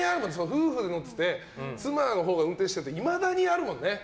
夫婦で乗ってて妻のほうが運転してるといまだにあるもんね。